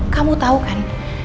kamu tau kan